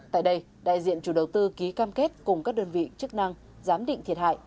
tại đây đại diện chủ đầu tư ký cam kết cùng các đơn vị chức năng giám định thiệt hại